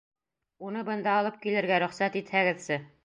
Уны бында алып килергә рөхсәт итһәгеҙсе!